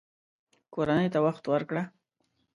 کورنۍ ته وخت ورکړه